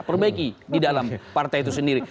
perbaiki di dalam partai itu sendiri